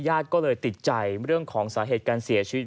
ญาติก็เลยติดใจเรื่องของสาเหตุการเสียชีวิต